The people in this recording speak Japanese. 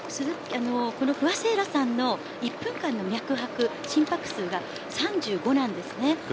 不破聖衣来さんの１分間の脈拍、心拍数が３５です。